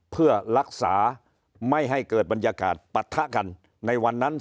เพื่อรักษาไม่ให้เกิดบรรยากาศปะทะกันในวันนั้น